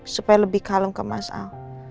supaya lebih kalung ke mas a